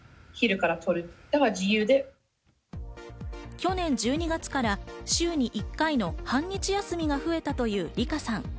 去年１２月から週に１回の半日休みが増えたというＲｉｋａさん。